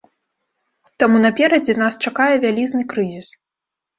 Таму наперадзе нас чакае вялізны крызіс.